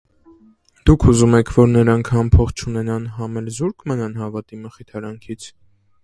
Դուք ուզում եք, որ նրանք համ փող չունենան, համ էլ զո՞ւրկ մնան հավատի մխիթարանքից: